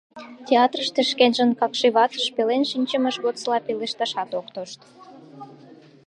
Театрыште шкенжын какши ватыж пелен шинчымыж годсыла пелешташат ок тошт.